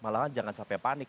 malahan jangan sampai panik